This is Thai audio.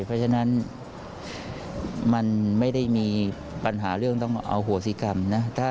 เพราะฉะนั้นมันไม่ได้มีปัญหาเรื่องต้องอโหสิกรรมนะ